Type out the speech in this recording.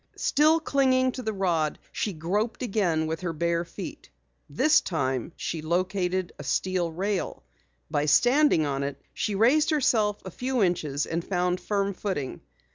Still clinging to the rod, she groped again with her bare feet. This time she located a steel rail. By standing on it, she raised herself a few inches and found firm footing.